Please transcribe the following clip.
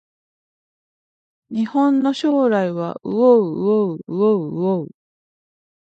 日本の未来はうぉううぉううぉううぉう